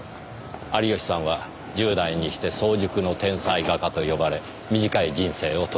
有吉さんは十代にして早熟の天才画家と呼ばれ短い人生を閉じた。